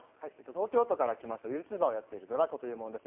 東京都から来ましたＹｏｕＴｕｂｅをやっているＤｒａｃｏというものです。